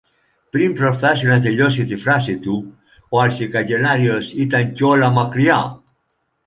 Πριν προφτάσει να τελειώσει τη φράση του, ο αρχικαγκελάριος ήταν κιόλα μακριά.